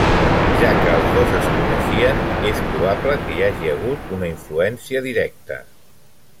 Ja que els dos es coneixien, és probable que hi hagi hagut una influència directa.